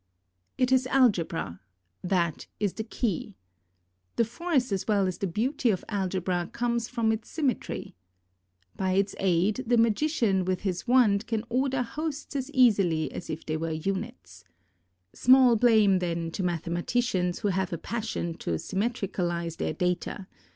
It is algebra, — that is the key. The force as well lo ON GRAVITATION as the beauty of algebra comes from its symmetry. By its aid, the magician with his wand can order hosts as easily as if they were units. Small blame, then, to mathematicians who have a passion to symmetricalize their data.